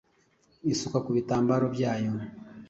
isuka ku bitambaro byayo